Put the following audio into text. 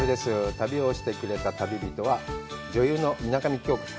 旅をしてくれた旅人は、女優の水上京香さん。